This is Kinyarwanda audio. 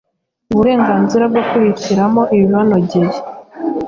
uburenganzira bwo kwihitiramo ibibanogeye,